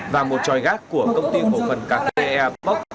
và một tròi gác của công ty cổ phần cà phê airpoc